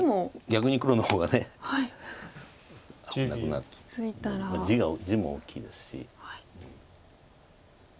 逆に黒の方がなくなって地も大きいですし。